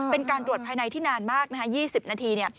เป็นการตรวจภายในที่นานมากนะฮะ๒๐นาที